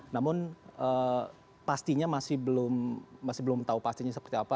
namun pastinya masih belum tahu pastinya seperti apa